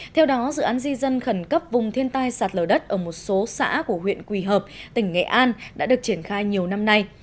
theo đó dự án di dân khẩn cấp vùng thiên tai sạt lở đất ở một số xã của huyện quỳ hợp tỉnh nghệ an đã được triển khai nhiều năm nay